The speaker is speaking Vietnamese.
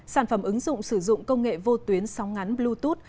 sản phẩm ứng dụng sử dụng công nghệ vô tuyến sóng ngắn bluetooth